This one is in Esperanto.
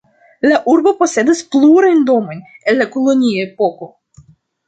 La urbo posedas plurajn domojn el la kolonia epoko.